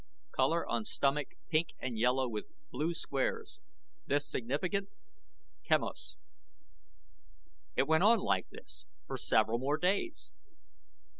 COLOR ON STOMACH PINK AND YELLOW WITH BLUE SQUARES. THIS SIGNIFICANT? QUEMOS It went on like this for several more days.